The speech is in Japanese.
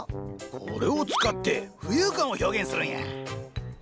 これを使って浮遊感を表現するんや。